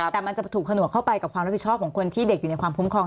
แต่มันจะถูกผนวกเข้าไปกับความรับผิดชอบของคนที่เด็กอยู่ในความคุ้มครอง